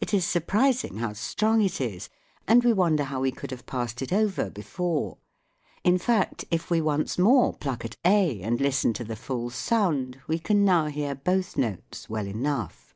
It is surprising how strong it is, and we wonder how we could have passed it over before ; in fact, if we once more pluck at A and listen to the full sound we can now hear both notes well enough.